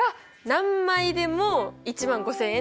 １枚でも１５０００円。